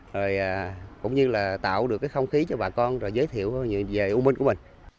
rồi cũng như là tạo được cái không khí cho bà con rồi giới thiệu về u minh của mình